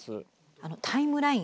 タイムライン。